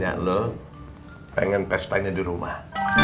ya lo pengen pestanya di rumah